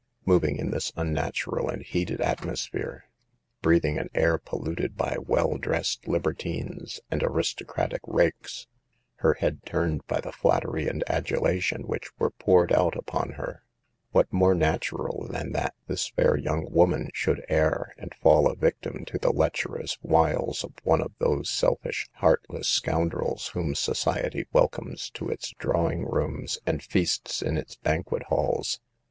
Moving in this unnatural and heated at mosphere, breathing an air polluted by well dressed libertines and aristocratic rakes, her head turned by the flattery and adulation which were poured out upon her, what more natural than that this fair young woman should err, and fall a victim to the lecherous wiles of one of those selfish, heartless scoundrels whom society welcomes to its drawing rooms, and SAVE THE GIELS. feasts in its banquet halls